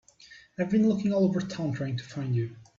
I've been looking all over town trying to find you.